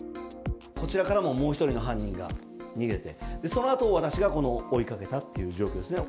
こちらからももう１人の犯人が逃げて、そのあと私が追いかけたという状況ですね。